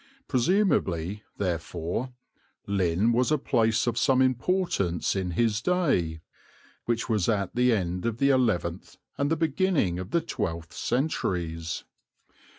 Presumably, therefore, Lynn was a place of some importance in his day, which was at the end of the eleventh and the beginning of the twelfth centuries.